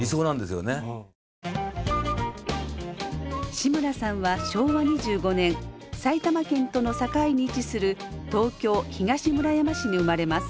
志村さんは昭和２５年埼玉県との境に位置する東京・東村山市に生まれます。